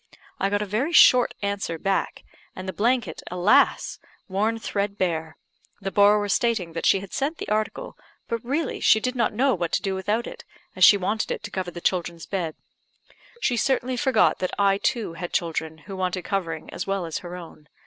I got a very short answer back, and the blanket, alas! worn threadbare; the borrower stating that she had sent the article, but really she did not know what to do without it, as she wanted it to cover the children's bed. She certainly forgot that I, too, had children, who wanted covering as well as her own.